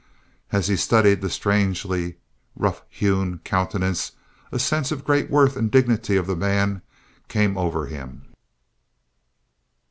As he studied the strangely rough hewn countenance a sense of the great worth and dignity of the man came over him.